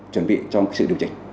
chuẩn bị cho sự điều chỉnh